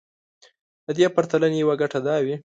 د دې پرتلنې يوه ګټه دا وي.